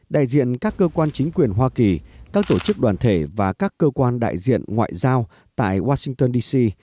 đại diện các cơ quan chính quyền hoa kỳ các tổ chức đoàn thể và các cơ quan đại diện ngoại giao tại washington dc